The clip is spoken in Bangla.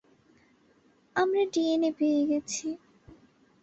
আমরা ডিএনএ পেয়ে গেছি।